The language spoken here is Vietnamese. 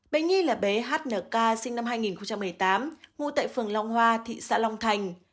bệnh nhi là bé hnk sinh năm hai nghìn một mươi tám ngụ tại phường long hoa thị xã long thành